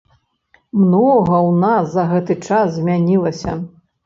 Многа ў нас за гэты час змянілася.